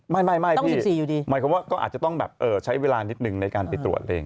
ไม่พี่หมายความว่าก็อาจจะต้องแบบใช้เวลานิดนึงในการไปตรวจเอง